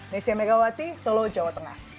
nesya megawati solo jawa tengah